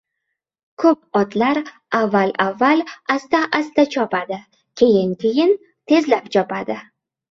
Ko‘p otlar avval-avval asta-asta chopadi. Keyin-keyin tezlab chopadi.